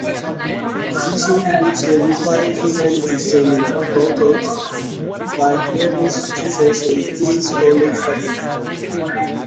This includes a required humanities seminar co-taught by Harris teachers and Queens College faculty.